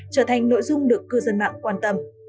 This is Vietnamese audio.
trở thành nội dung được cư dân mạng quan tâm